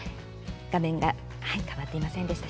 画面が変わっていませんでした。